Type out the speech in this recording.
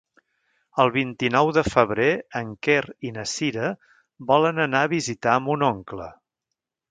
El vint-i-nou de febrer en Quer i na Cira volen anar a visitar mon oncle.